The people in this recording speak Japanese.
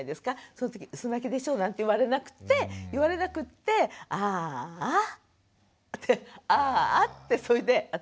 そのとき「うそ泣きでしょ」なんて言われなくって言われなくって「ああ」って「ああ」ってそれで私